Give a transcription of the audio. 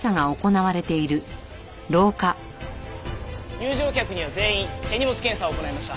入場客には全員手荷物検査を行いました。